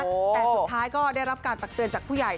แต่สุดท้ายก็ได้รับการตักเตือนจากผู้ใหญ่